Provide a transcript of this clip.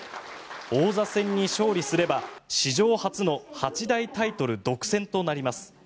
王座戦に勝利すれば、史上初の八大タイトル独占となります。